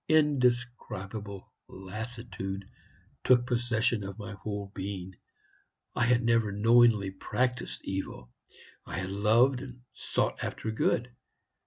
Indescribable lassitude took possession of my whole being. I had never, knowingly, practised evil; I had loved and sought after good.